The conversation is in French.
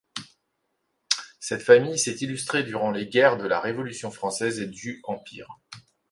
Cette famille s'est illustrée durant les guerres de la Révolution française et du Empire.